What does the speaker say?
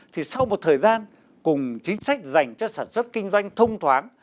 thì sau một thời gian cùng chính sách dành cho sản xuất kinh doanh thông thoáng